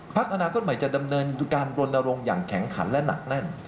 อนาคตใหม่จะดำเนินการรณรงค์อย่างแข็งขันและหนักแน่น